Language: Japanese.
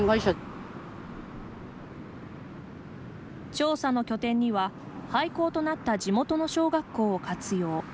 調査の拠点には、廃校となった地元の小学校を活用。